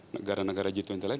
negara negara g dua puluh lain